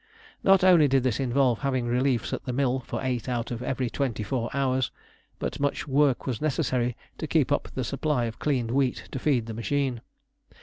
Not only did this involve having reliefs at the mill for eight out of every twenty four hours, but much work was necessary to keep up the supply of cleaned wheat to feed the machine.